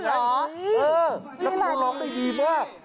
อ๋อเหรอมีอะไรเหรอคุณครับ